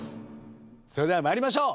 それでは参りましょう。